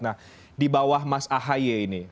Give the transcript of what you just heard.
nah di bawah mas ahaye ini